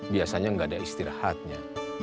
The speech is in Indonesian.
biasanya nggak ada istirahatnya